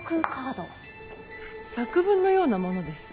作文のようなものです。